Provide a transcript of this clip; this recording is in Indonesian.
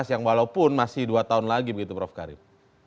yang walaupun masih dua tahun lagi begitu prof karim